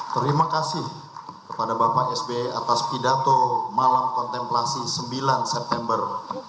terima kasih kepada bapak sbi atas pidato malam kontemplasi sembilan september dua ribu sembilan belas